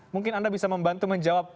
mungkin anda bisa membantu menjawab